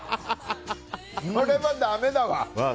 これは、だめだわ。